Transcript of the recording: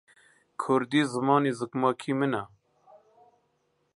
کوردی زمانی زگماکیی منە.